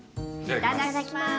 いただきます。